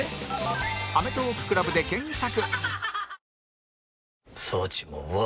「アメトーーク ＣＬＵＢ」で検索